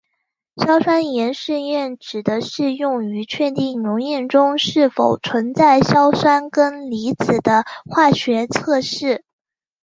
硝酸盐试验指的是用于确定溶液中是否存在硝酸根离子的化学测试。